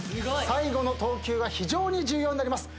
最後の投球が非常に重要になります。